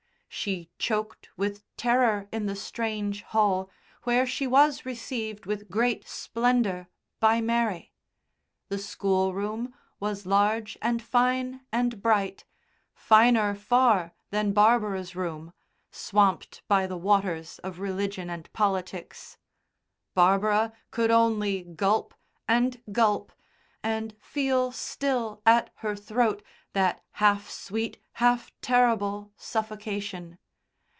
She choked with terror in the strange hall, where she was received with great splendour by Mary. The schoolroom was large and fine and bright, finer far than Barbara's room, swamped by the waters of religion and politics. Barbara could only gulp and gulp, and feel still at her throat that half sweet, half terrible suffocation.